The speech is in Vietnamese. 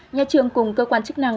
nhà trường cùng cơ quan chức năng